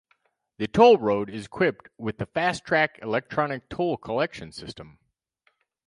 The toll road is equipped with the FasTrak electronic toll collection system.